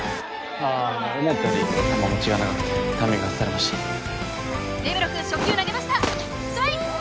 ああ思ったより球持ちが長くてタイミング外されました根室くん初球投げましたストライク！